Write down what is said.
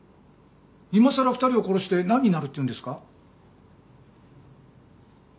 今さら２人を殺してなんになるっていうんですか？